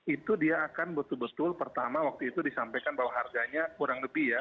itu dia akan betul betul pertama waktu itu disampaikan bahwa harganya kurang lebih ya